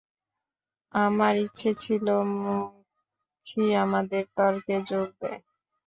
আমার ইচ্ছে ছিল মক্ষী আমাদের তর্কে যোগ দেয়।